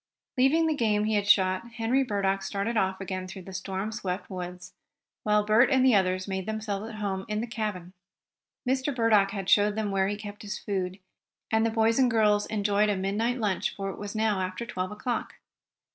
Leaving the game he had shot, Henry Burdock started off again through the storm swept woods, while Bert and the others made themselves at home in the cabin. Mr. Burdock had showed them where he kept his food, and the boys and girls enjoyed a midnight lunch, for it was now after twelve o'clock.